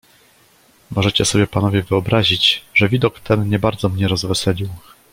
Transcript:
"Możecie sobie panowie wyobrazić, że widok ten nie bardzo mnie rozweselił."